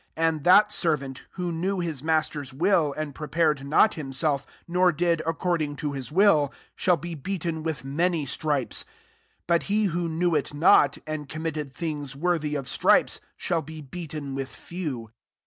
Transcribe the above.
4f ^ And that servant, who koew lu9 master's wUU and pre* pared not himHelf, nor did ac 12 cording to his will, shall b^ beaten with many ttrifiet : 48 but he who knew it not, and committed things worthy of stripes, shall be beaten with few.